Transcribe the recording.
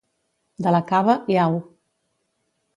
De la Cava, i au.